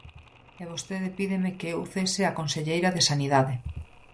E vostede pídeme que eu cese a conselleira de Sanidade.